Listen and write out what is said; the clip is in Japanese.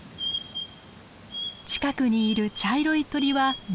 近くにいる茶色い鳥はメス。